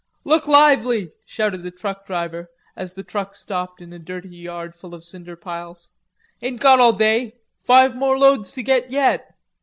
"Look lively," shouted the truck driver, as the truck stopped in a dirty yard full of cinder piles. "Ain't got all day. Five more loads to get yet."